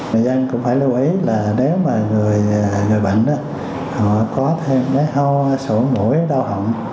mọi người cũng phải lưu ý nếu người bệnh có thêm hô sổ mũi đau hỏng